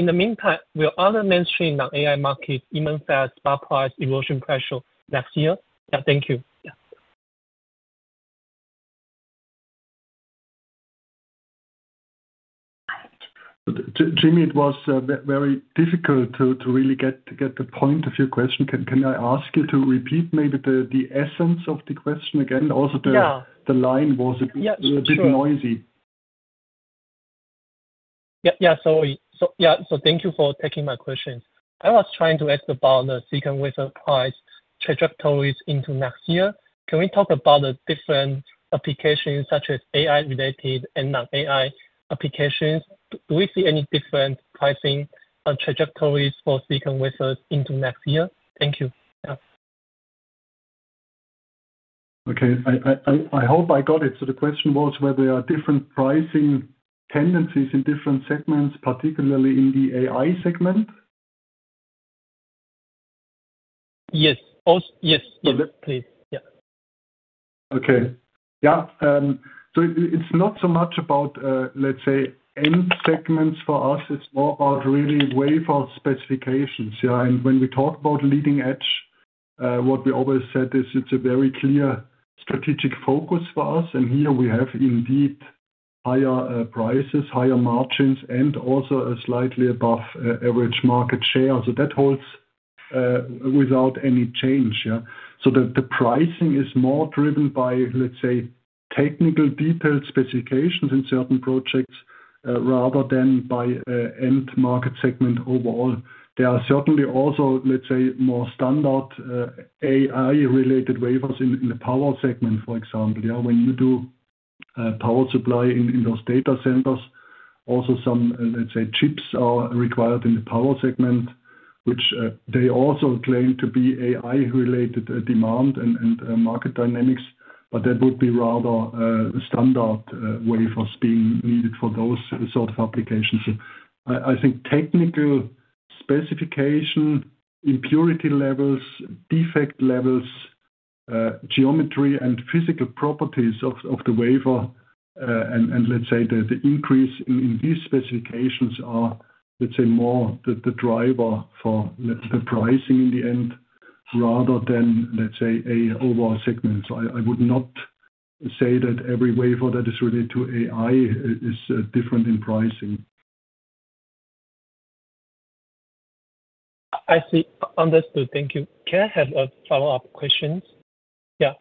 the meantime, will other mainstream non-AI markets even face spot price erosion pressure next year? Yeah. Thank you. Jimmy, it was very difficult to really get the point of your question. Can I ask you to repeat maybe the essence of the question again? Also, the line was a bit noisy. Thank you for taking my questions. I was trying to ask about the silicon wafer price trajectories into next year. Can we talk about the different applications such as AI-related and non-AI applications? Do we see any different pricing trajectories for silicon wafers into next year? Thank you. Okay, I hope I got it. The question was whether there are different pricing tendencies in different segments, particularly in the AI segment? Yes, yes, yes, please. Yeah. Okay. It's not so much about, let's say, end segments for us. It's more about really wafer specifications. When we talk about leading edge, what we always said is it's a very clear strategic focus for us. Here we have indeed higher prices, higher margins, and also a slightly above-average market share. That holds without any change. The pricing is more driven by, let's say, technical detailed specifications in certain projects rather than by end market segment overall. There are certainly also, let's say, more standard AI-related wafers in the power segment, for example. When you do power supply in those data centers, also some, let's say, chips are required in the power segment, which they also claim to be AI-related demand and market dynamics. That would be rather standard wafers being needed for those sort of applications. I think technical specification, impurity levels, defect levels, geometry, and physical properties of the wafer, and, let's say, the increase in these specifications are, let's say, more the driver for the pricing in the end rather than, let's say, an overall segment. I would not say that every wafer that is related to AI is different in pricing. I see. Understood. Thank you. Can I have a follow-up question? Yeah.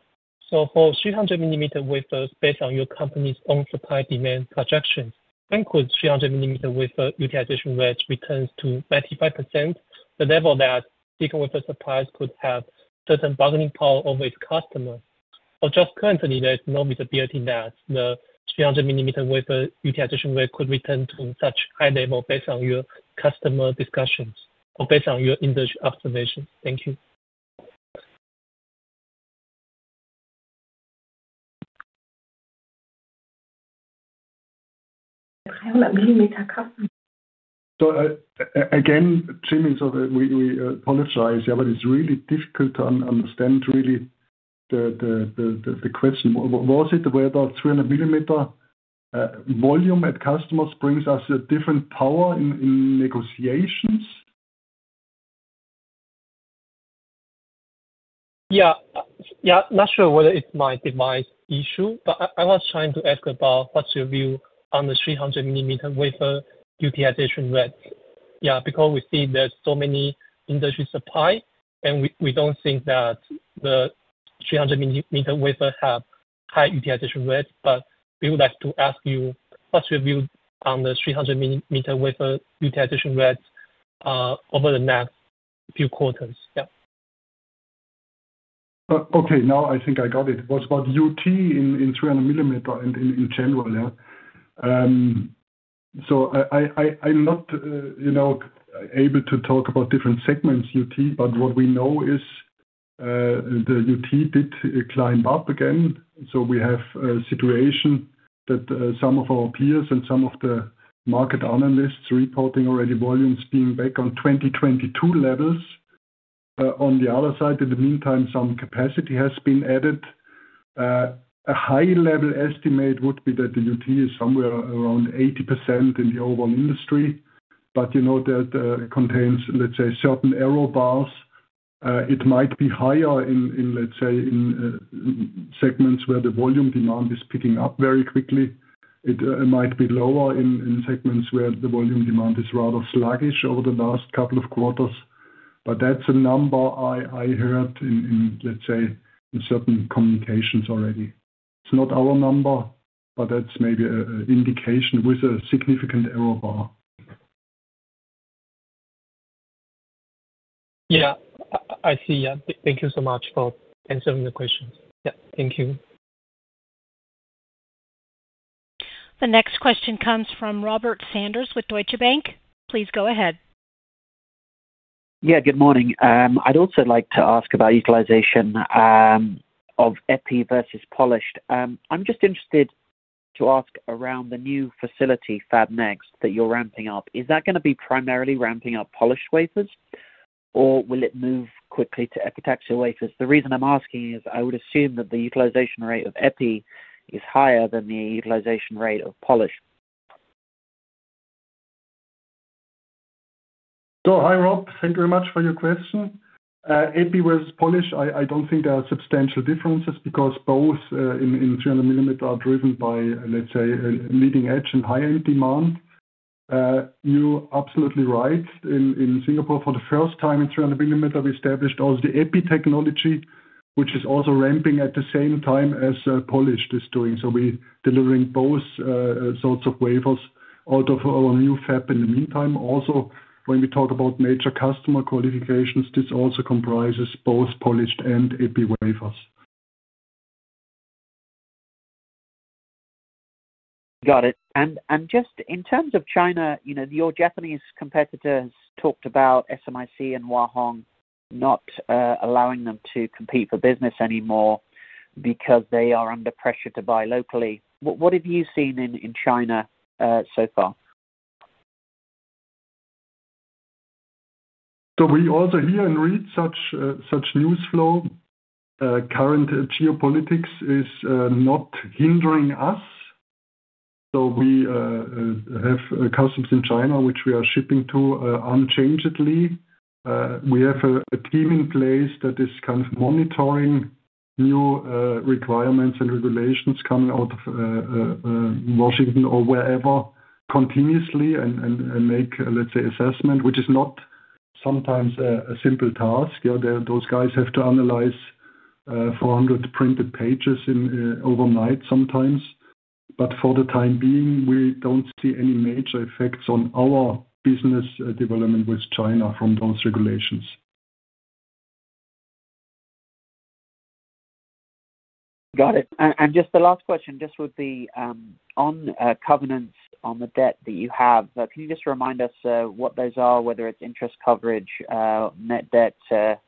For 300-millimeter wafers, based on your company's own supply-demand projections, I think with 300-millimeter wafer utilization rates returning to 95%, the level that silicon wafer suppliers could have certain bargaining power over its customers. Currently, there's no visibility that the 300-millimeter wafer utilization rate could return to such high level based on your customer discussions or based on your industry observations. Thank you. Yeah. 300-millimeter customers. Jimmy, we apologize. It's really difficult to understand the question. Was it the way about 300-millimeter volume at customers brings us a different power in negotiations? Not sure whether it might be my issue, but I was trying to ask about what's your view on the 300-millimeter wafer utilization rates. We see there's so many industry supplies, and we don't think that the 300-millimeter wafers have high utilization rates. We would like to ask you what's your view on the 300-millimeter wafer utilization rates over the next few quarters. Okay. Now I think I got it. It was about UT in 300-millimeter and in general. I'm not able to talk about different segments UT, but what we know is the UT did climb up again. We have a situation that some of our peers and some of the market analysts are reporting already volumes being back on 2022 levels. On the other side, in the meantime, some capacity has been added. A high-level estimate would be that the UT is somewhere around 80% in the overall industry. You know that contains, let's say, certain error bars. It might be higher in, let's say, in segments where the volume demand is picking up very quickly. It might be lower in segments where the volume demand is rather sluggish over the last couple of quarters. That's a number I heard in, let's say, in certain communications already. It's not our number, but that's maybe an indication with a significant error bar. I see. Thank you so much for answering the questions. Thank you. The next question comes from Robert Sanders with Deutsche Bank. Please go ahead. Good morning. I'd also like to ask about utilization of EPI versus polished. I'm just interested to ask around the new facility, FabNext, that you're ramping up. Is that going to be primarily ramping up polished wafers, or will it move quickly to epitaxial wafers? The reason I'm asking is I would assume that the utilization rate of EPI is higher than the utilization rate of polished. Hi, Rob. Thank you very much for your question. EPI versus polished, I don't think there are substantial differences because both in 300-millimeter are driven by, let's say, leading edge and high-end demand. You're absolutely right. In Singapore, for the first time in 300-millimeter, we established also the EPI technology, which is also ramping at the same time as polished is doing. We're delivering both sorts of wafers out of our new fab in the meantime. Also, when we talk about major customer qualifications, this also comprises both polished and EPI wafers. Got it. In terms of China, your Japanese competitors talked about SMIC and Wahong not allowing them to compete for business anymore because they are under pressure to buy locally. What have you seen in China so far? We also hear and read such news flow. Current geopolitics is not hindering us. We have customers in China, which we are shipping to unchangedly. We have a team in place that is kind of monitoring new requirements and regulations coming out of Washington or wherever continuously and make, let's say, assessment, which is not sometimes a simple task. Those guys have to analyze 400 printed pages overnight sometimes. For the time being, we don't see any major effects on our business development with China from those regulations. Got it. Just the last question, with the covenants on the debt that you have, can you remind us what those are, whether it's interest coverage, net debt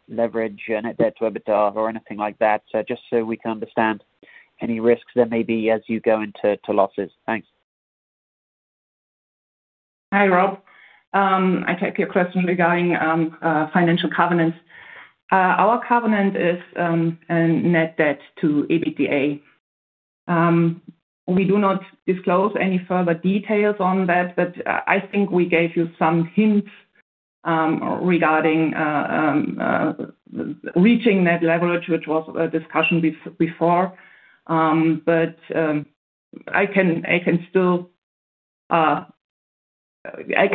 leverage, net debt to EBITDA, or anything like that? Just so we can understand any risks there may be as you go into losses. Thanks. Hi, Rob. I take your question regarding financial covenants. Our covenant is net debt to EBITDA. We do not disclose any further details on that, I think we gave you some hints regarding reaching net leverage, which was a discussion before. We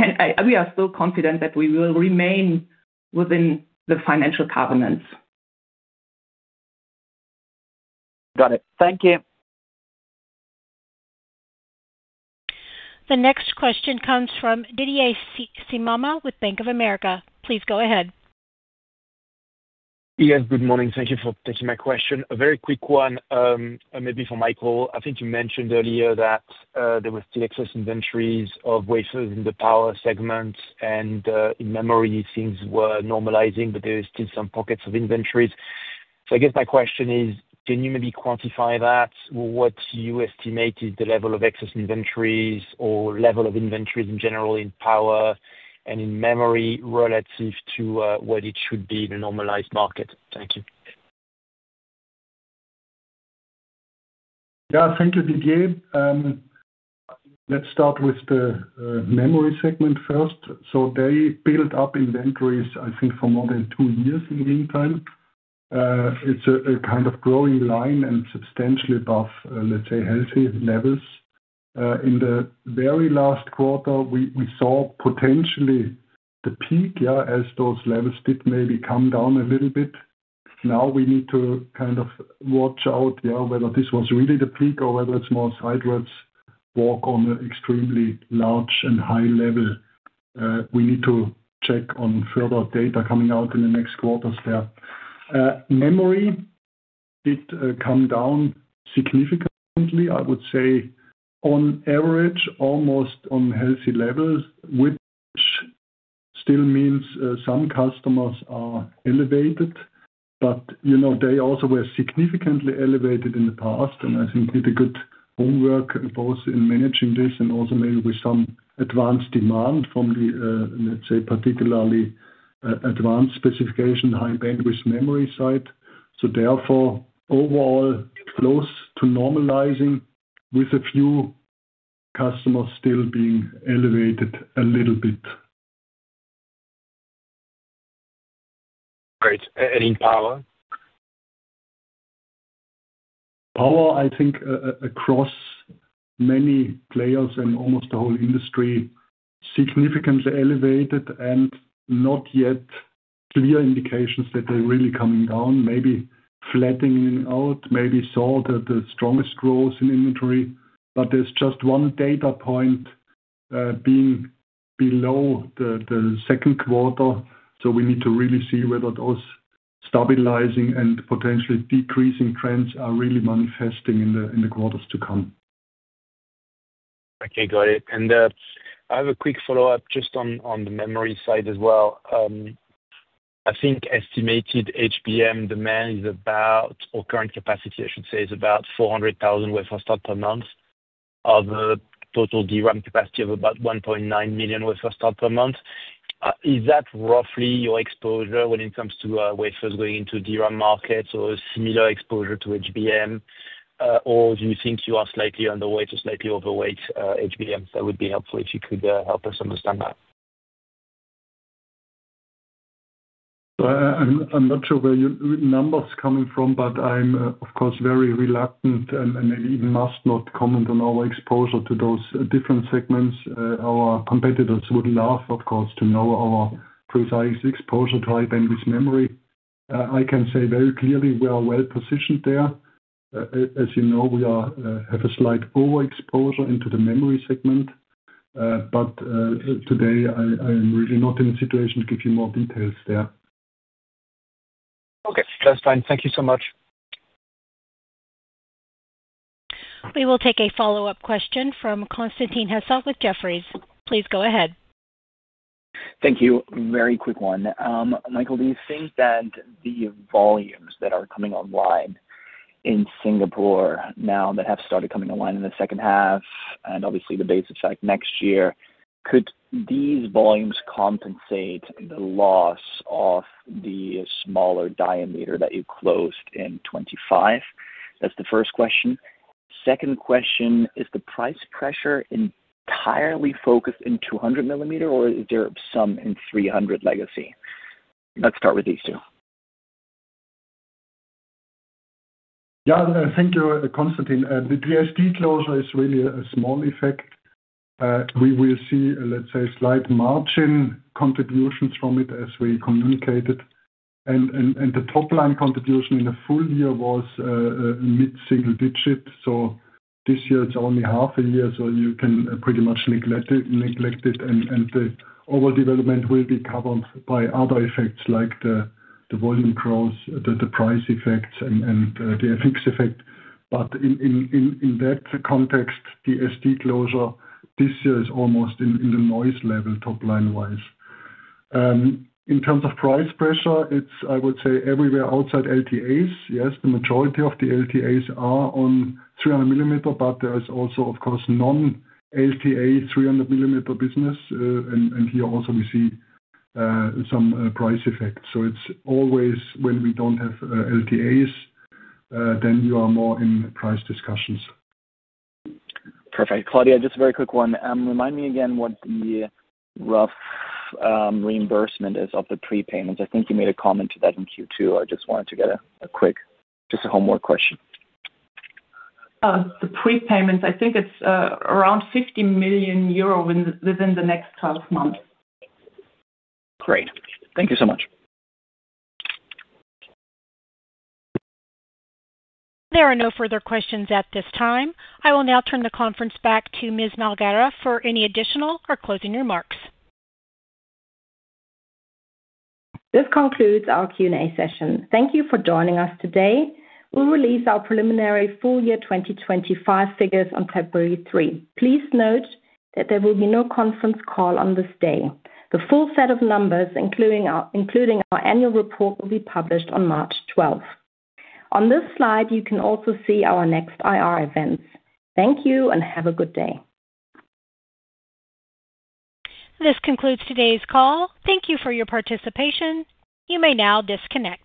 are still confident that we will remain within the financial covenants. Got it. Thank you. The next question comes from Didier Scemama with Bank of America. Please go ahead. Yes. Good morning. Thank you for taking my question. A very quick one, maybe for Michael. I think you mentioned earlier that there were still excess inventories of wafers in the power segment, and in memory, things were normalizing, but there are still some pockets of inventories. I guess my question is, can you maybe quantify that? What do you estimate is the level of excess inventories or level of inventories in general in power and in memory relative to what it should be in a normalized market? Thank you. Thank you, Didier. Let's start with the memory segment first. They built up inventories, I think, for more than two years in the meantime. It's a kind of growing line and substantially above, let's say, healthy levels. In the very last quarter, we saw potentially the peak, as those levels did maybe come down a little bit. Now we need to watch out whether this was really the peak or whether it's more a sideways walk on an extremely large and high level. We need to check on further data coming out in the next quarters. Memory did come down significantly, I would say, on average, almost on healthy levels, which still means some customers are elevated. You know they also were significantly elevated in the past, and I think did a good homework both in managing this and also maybe with some advanced demand from the, let's say, particularly advanced specification high-bandwidth memory side. Therefore, overall, close to normalizing with a few customers still being elevated a little bit. Great. In power? Power, I think, across many players and almost the whole industry, is significantly elevated and not yet clear indications that they're really coming down, maybe flattening out, maybe saw the strongest growth in inventory. There's just one data point being below the second quarter. We need to really see whether those stabilizing and potentially decreasing trends are really manifesting in the quarters to come. Got it. I have a quick follow-up just on the memory side as well. I think estimated HBM demand is about, or current capacity, I should say, is about 400,000 wafers per month of a total DRAM capacity of about 1.9 million wafers per month. Is that roughly your exposure when it comes to wafers going into DRAM markets or a similar exposure to HBM? Do you think you are slightly underweight or slightly overweight HBMs? That would be helpful if you could help us understand that. I'm not sure where your numbers are coming from, but I'm, of course, very reluctant and maybe even must not comment on our exposure to those different segments. Our competitors would love, of course, to know our precise exposure to high-bandwidth memory. I can say very clearly we are well positioned there. As you know, we have a slight overexposure into the memory segment. Today, I am really not in a situation to give you more details there. Okay, that's fine. Thank you so much. We will take a follow-up question from Constantin Hesse with Jefferies. Please go ahead. Thank you. Very quick one. Michael, do you think that the volumes that are coming online in Singapore now that have started coming online in the second half and obviously the base effect next year, could these volumes compensate the loss of the smaller diameter that you closed in 2025? That's the first question. Second question, is the price pressure entirely focused in 200-millimeter, or is there some in 300-millimeter legacy? Let's start with these two. Thank you, Constantin. The DHD closure is really a small effect. We will see slight margin contributions from it as we communicated. The top-line contribution in the full year was a mid-single digit. This year, it's only half a year, so you can pretty much neglect it. The overall development will be covered by other effects like the volume growth, the price effects, and the FX effect. In that context, DHD closure this year is almost in the noise level top-line-wise. In terms of pricing pressure, it's, I would say, everywhere outside LTAs. The majority of the LTAs are on 300-millimeter, but there's also, of course, non-LTA 300-millimeter business. Here also, we see some price effects. It's always when we don't have LTAs, then you are more in price discussions. Perfect. Claudia, just a very quick one. Remind me again what the rough reimbursement is of the prepayments. I think you made a comment to that in Q2. I just wanted to get a quick, just a homework question. The prepayments, I think it's around 50 million euro within the next 12 months. Great. Thank you so much. There are no further questions at this time. I will now turn the conference back to Ms. Malgara for any additional or closing remarks. This concludes our Q&A session. Thank you for joining us today. We'll release our preliminary full-year 2025 figures on February 3. Please note that there will be no conference call on this day. The full set of numbers, including our annual report, will be published on March 12. On this slide, you can also see our next IR events. Thank you and have a good day. This concludes today's call. Thank you for your participation. You may now disconnect.